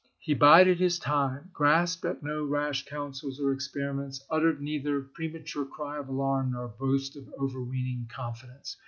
He bided Ms time, grasped at no chap. xvi. rash counsels or experiments, uttered neither pre mature cry of alarm nor boast of overweening con fidence.